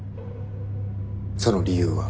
その理由は。